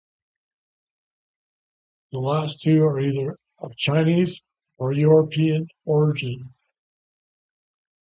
The last two are either of Chinese or European origin.